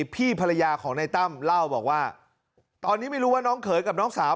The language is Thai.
พี่ภรรยาของในตั้มเล่าบอกว่าตอนนี้ไม่รู้ว่าน้องเขยกับน้องสาว